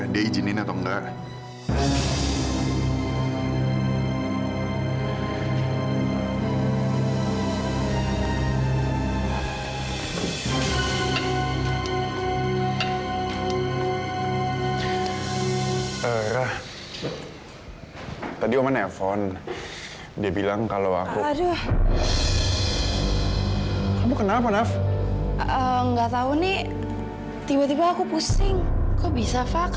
dia izinin atau enggak